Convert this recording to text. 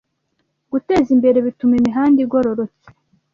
Gutezimbere bituma imihanda igororotse